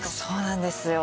そうなんですよ。